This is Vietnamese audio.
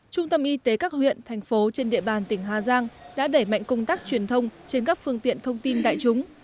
trung tâm y tế các huyện thành phố trên địa bàn tỉnh hà giang đã đẩy mạnh công tác truyền thông trên các phương tiện thông tin đại chúng